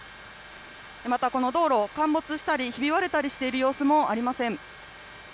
またこの道路、陥没したりひび割れたりしている様子もありません。